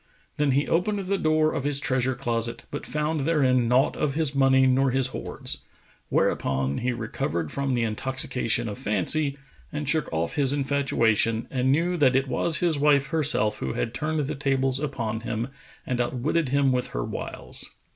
Then he opened the door of his treasure closet, but found therein naught of his money nor his hoards; whereupon he recovered from the intoxication of fancy and shook off his infatuation and knew that it was his wife herself who had turned the tables upon him and outwitted him with her wiles.